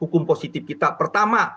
hukum positif kita pertama